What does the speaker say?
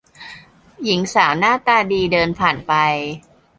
หญิงสาวหน้าตาดีเดินผ่านไป